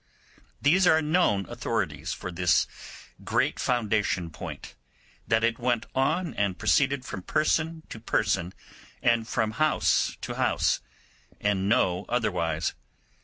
These are known authorities for this great foundation point—that it went on and proceeded from person to person and from house to house, and no otherwise.